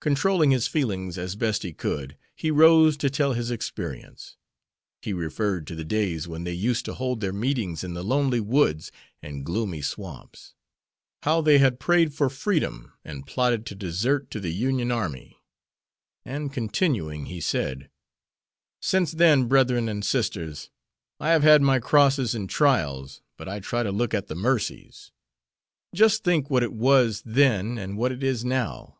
Controlling his feelings as best he could, he rose to tell his experience. He referred to the days when they used to hold their meetings in the lonely woods and gloomy swamps. How they had prayed for freedom and plotted to desert to the Union army; and continuing, he said: "Since then, brethren and sisters, I have had my crosses and trials, but I try to look at the mercies. Just think what it was then and what it is now!